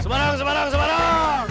semarang semarang semarang